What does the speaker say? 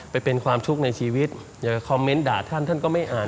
ไปเป็นความทุกข์ในชีวิตอย่าไปคอมเมนต์ด่าท่านท่านก็ไม่อ่าน